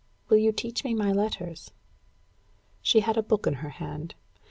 Will you teach me my letters?" She had a book in her hand.